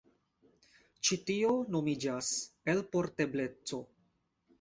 Ĉi tio nomiĝas elportebleco.